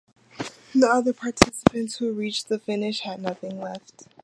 The other participants who reached the finish had nothing left.